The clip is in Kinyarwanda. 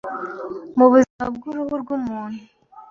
mu buzima bw’uruhu rw’umuntu